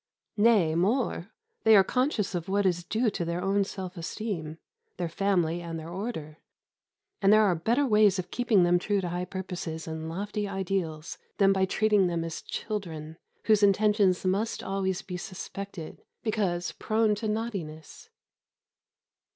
Nay, more, they are conscious of what is due to their own self esteem, their family, and their order; and there are better ways of keeping them true to high purposes and lofty ideals than by treating them as children, whose intentions must always be suspected, because prone to naughtiness.